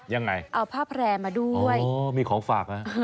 ยังไงอ๋อมีของฝากนะ